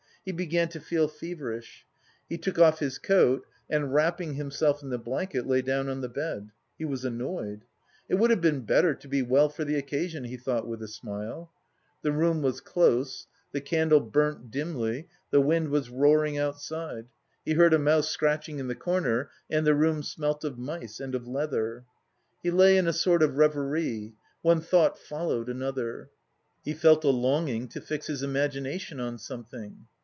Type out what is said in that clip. He began to feel feverish. He took off his coat and, wrapping himself in the blanket, lay down on the bed. He was annoyed. "It would have been better to be well for the occasion," he thought with a smile. The room was close, the candle burnt dimly, the wind was roaring outside, he heard a mouse scratching in the corner and the room smelt of mice and of leather. He lay in a sort of reverie: one thought followed another. He felt a longing to fix his imagination on something.